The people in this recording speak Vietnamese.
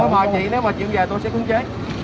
tôi mời chị nếu mà chị không về tôi sẽ cưỡng chế